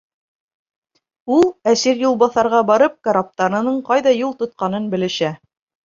Ул, әсир юлбаҫарға барып, караптарының ҡайҙа юл тотҡанын белешә.